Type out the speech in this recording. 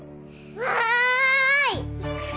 わい！